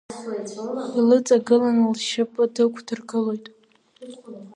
Илыҵагылан, лшьапы дықәдыргылоит.